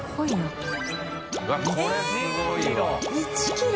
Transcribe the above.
１ｋｇ！